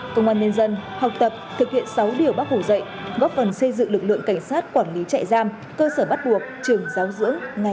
công an nhân dân học tập thực hiện sáu điều bác hủ dạy góp phần xây dựng lực lượng cảnh sát quản lý trại giam cơ sở bắt buộc trường giáo dưỡng ngày càng bỗng mạnh